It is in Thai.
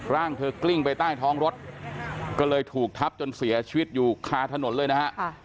ร่างเธอกลิ้งไปใต้ท้องรถก็เลยถูกทับจนเสียชีวิตอยู่คาถนนเลยนะฮะ